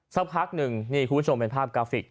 สักพักหนึ่งนี่คุณผู้ชมเป็นภาพกราฟิก